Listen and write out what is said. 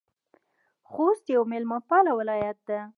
خوست یو میلمه پاله ولایت ده